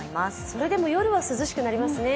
それでも夜は涼しくなりますね。